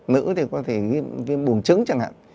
nữ thì có thể gây ra viêm bùn trứng chẳng hạn